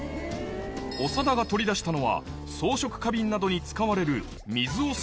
長田が取り出したのは装飾花瓶などに使われるよし。